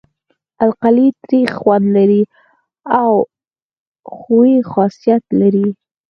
القلي تریخ خوند لري او ښوی خاصیت لري.